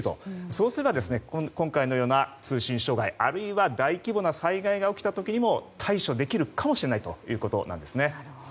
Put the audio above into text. そうすれば今回のような通信障害あるいは大規模な災害が起きた時にも対処できるかもしれないんですね。